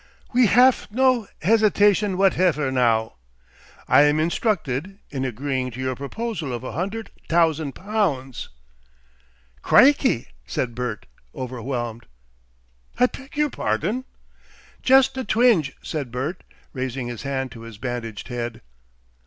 We haf no hesitation whatefer now, I am instructed, in agreeing to your proposal of a hundert tousand poundts." "Crikey!" said Bert, overwhelmed. "I peg your pardon?" "Jest a twinge," said Bert, raising his hand to his bandaged head.